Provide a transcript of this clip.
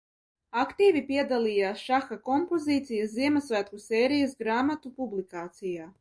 Aktīvi piedalījās šaha kompozīcijas ziemassvētku sērijas grāmatu publikācijā.